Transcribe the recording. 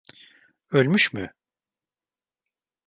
Ölmüş mü?